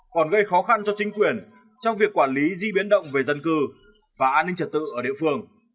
còn gây khó khăn cho chính quyền trong việc quản lý di biến động về dân cư và an ninh trật tự ở địa phương